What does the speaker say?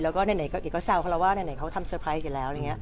แล้วก็ในไหนเก๋ก็แสวเขาว่าในไหนเค้าก็ทำเซอร์ไพรส์อยู่แล้ว